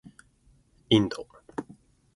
インド